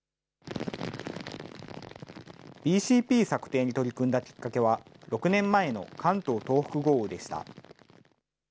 ＢＣＰ策定に取り組んだきっかけは６年前の関東・東北豪雨でした。